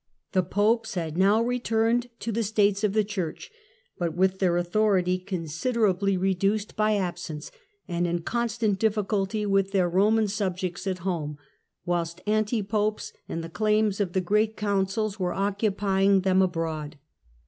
The Popes had now returned to the States of the Church, but with their authority considerably reduced by absence, and in constant difficulty with their Eoman subjects at home, whilst Anti Popes and the claims of the Great Councils were occupying them abroad.